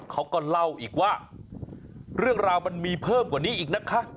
เขาก็เล่าอีกว่าเรื่องราวมันมีเพิ่มกว่านี้อีกนะคะ